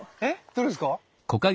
どれですか？